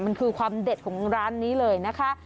มันคือความเด็ดของร้านนี้เลยนะคะ